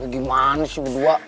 gimana sih berdua